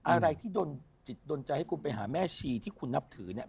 อะไรที่โดนจิตโดนใจให้คุณไปหาแม่ชีที่คุณนับถือเนี่ย